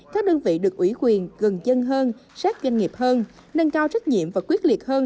các đơn vị được ủy quyền gần dân hơn sát doanh nghiệp hơn nâng cao trách nhiệm và quyết liệt hơn